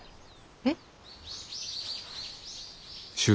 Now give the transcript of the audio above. えっ？